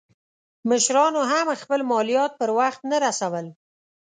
مشرانو هم خپل مالیات پر وخت نه رسول.